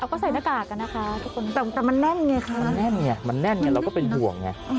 ก็ใส่หน้ากากอะนะคะทุกคนแต่มันแน่นไงคะมันแน่นไงมันแน่นไงเราก็เป็นห่วงไง